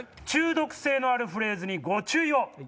中毒性のあるフレーズにご注意を！